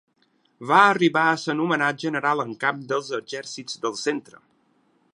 Va arribar a ser nomenat General en Cap dels Exèrcits del Centre.